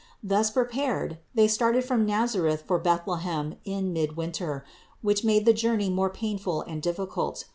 Thus prepared they started from Nazareth for Bethlehem in midwinter, which made the journey more painful and difficult.